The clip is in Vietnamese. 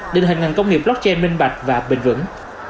định hình ngành công nghiệp blockchain minh bạch và bình vững